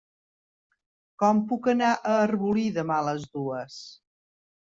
Com puc anar a Arbolí demà a les dues?